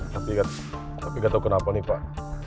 tapi gak tau kenapa nih pak